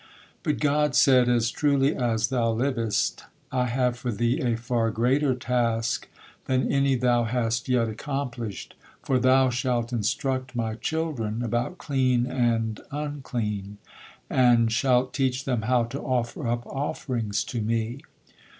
But God said: "As truly as thou livest, I have for thee a far greater task than any thou hast yet accomplished, for thou shalt instruct My children about 'clean and unclean,' and shalt teach them how to offer up offerings to Me."